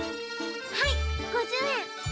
はい５０円。